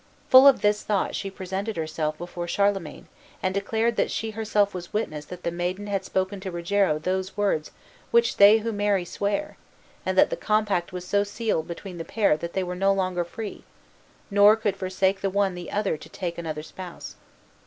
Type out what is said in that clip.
Full of this thought she presented herself before Charlemagne, and declared that she herself was witness that the maiden had spoken to Rogero those words which they who marry swear; and that the compact was so sealed between the pair that they were no longer free, nor could forsake the one the other to take another spouse.